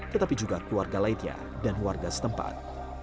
tetapi juga keluarga lainnya dan warga setempat